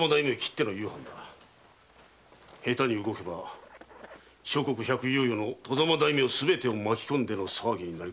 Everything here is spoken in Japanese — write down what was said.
下手に動けば諸国百有余の外様大名すべてを巻き込んでの騒ぎになりかねん。